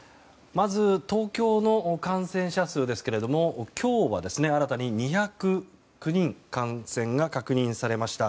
まず東京の感染者数ですけれども今日は新たに２０９人の感染が確認されました。